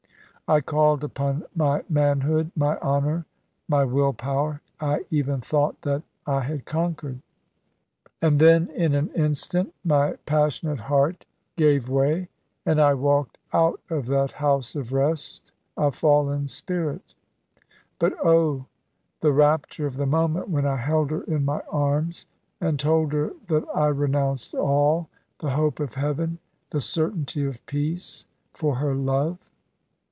I called upon my manhood, my honour, my will power, and I even thought that I had conquered; and then, in an instant, my passionate heart gave way, and I walked out of that house of rest, a fallen spirit. But, oh, the rapture of the moment when I held her in my arms, and told her that I renounced all the hope of heaven, the certainty of peace for her love."